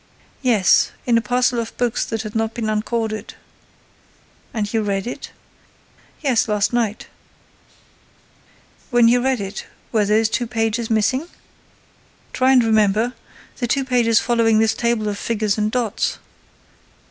"Yes, in a parcel of books that had not been uncorded." "And you read it?" "Yes, last night." "When you read it, were those two pages missing? Try and remember: the two pages following this table of figures and dots?"